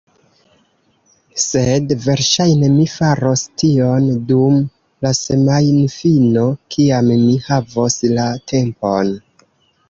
Sed verŝajne mi faros tion dum la semajnfino kiam mi havos la tempon.